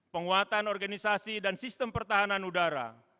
penguatan organisasi dan sistem pertahanan udara